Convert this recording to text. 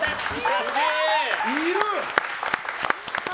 いる！